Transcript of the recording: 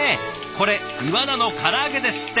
これイワナのから揚げですって。